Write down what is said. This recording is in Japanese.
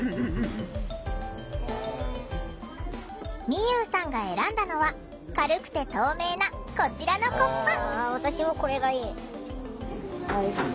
みゆうさんが選んだのは軽くて透明なこちらのコップ。